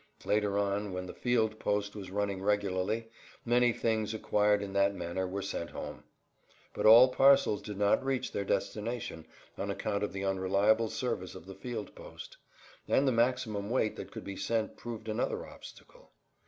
Later on, when the field post was running regularly, many things acquired in that manner were sent home. But all parcels did not reach their destination on account of the unreliable service of the field post, and the maximum weight that could be sent proved another obstacle.